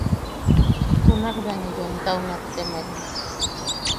Junak bea ne yoemtau nattemaek: